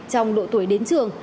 trong độ tuổi đến trường